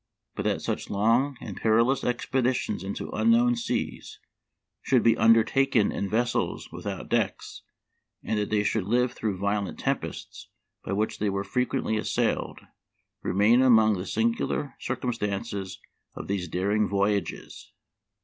But that such long and perilous expeditions into unknown seas should be under taken in vessels without decks, and that they should live through violent tempests, by which they were frequently assailed, remain among the singular circumstances of these daring voyages."